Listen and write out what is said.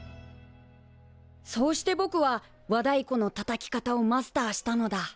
そうしてぼくは和だいこのたたき方をマスターしたのだ。